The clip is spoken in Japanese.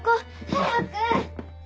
早く！